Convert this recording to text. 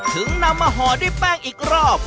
นำมาห่อด้วยแป้งอีกรอบ